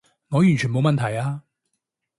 我完全冇問題啊